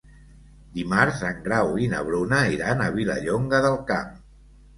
Dimarts en Grau i na Bruna iran a Vilallonga del Camp.